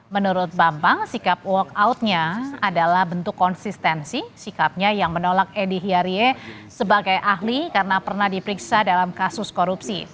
menurut bambang sikap walkoutnya adalah bentuk konsistensi sikapnya yang menolak edi hiarie sebagai ahli karena pernah diperiksa dalam kasus korupsi